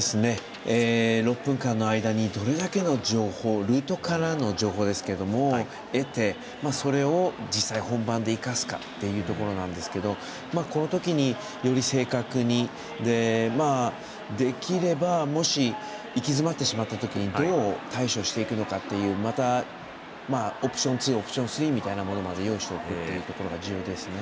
６分間の間にどれだけの情報ルートからの情報ですが、得てそれを実際、本番で生かすかっていうところなんですがこの時に、より正確にできれば、もし息詰まってしまった時にどう対処していくのかまた、オプション２オプション３まで用意しておくことが重要だと思いますね。